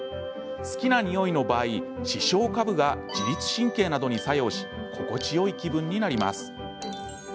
好きな匂いの場合視床下部が自律神経などに作用し心地よい気分になります。